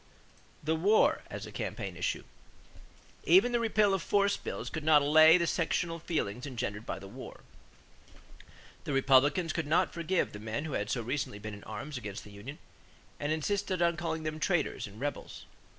=The War as a Campaign Issue.= Even the repeal of force bills could not allay the sectional feelings engendered by the war. The Republicans could not forgive the men who had so recently been in arms against the union and insisted on calling them "traitors" and "rebels."